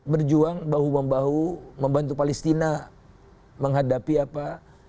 berjuang bahu membahu membantu palestina menghadapi apa